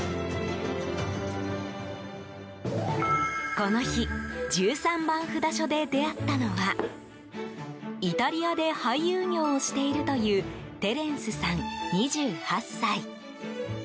この日１３番札所で出会ったのはイタリアで俳優業をしているというテレンスさん、２８歳。